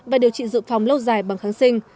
và điều trị dự phòng lâu dài bằng kháng sinh